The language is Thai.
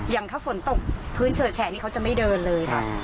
อย่างถ้าฝนตกพื้นเฉอะแฉะนี่เขาจะไม่เดินเลยนะ